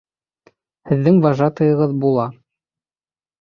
Һеҙҙең вожатыйығыҙ була.